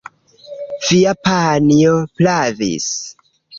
Via panjo pravis.